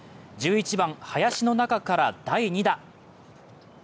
１１番、林の中から第２打。